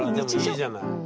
でもいいじゃない。